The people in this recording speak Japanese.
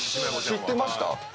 知ってました？